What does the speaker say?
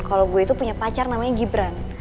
kalo gue tuh punya pacar namanya gibran